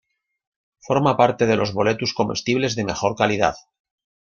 Forma parte de los "Boletus" comestibles de mejor calidad.